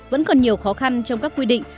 vẫn còn nhiều khó khăn trong các quy định